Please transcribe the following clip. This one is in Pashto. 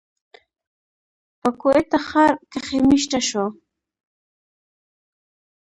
پۀ کوئټه ښار کښې ميشته شو،